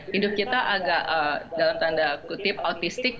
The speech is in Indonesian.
hidup kita agak dalam tanda kutip autistik